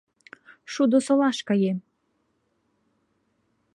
- Шудо солаш каем.